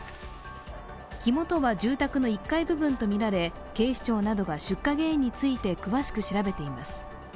火元は、住宅の１階部分とみられ、警視庁などが出火原因などについて詳しく調べています。